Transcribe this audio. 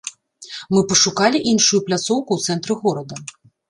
Мы пашукалі іншую пляцоўку ў цэнтры горада.